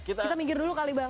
kita minggir dulu kali bang